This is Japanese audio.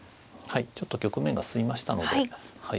はいちょっと局面が進みましたので。